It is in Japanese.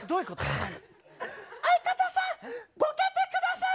相方さんボケて下さい。